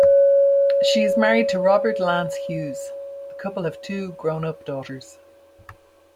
She is married to Robert Lance Hughes; the couple have two grown up daughters.